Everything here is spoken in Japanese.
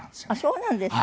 そうなんですか。